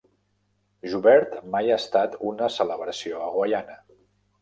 Jouvert mai ha estat una celebració a Guaiana.